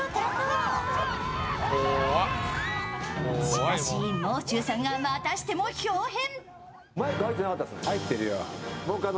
しかし、もう中さんがまたしてもひょう変。